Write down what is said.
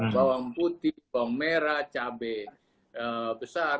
bawang putih bawang merah cabai besar